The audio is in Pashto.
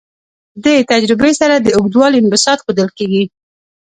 دې تجربې سره د اوږدوالي انبساط ښودل کیږي.